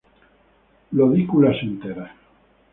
Lodículas enteras.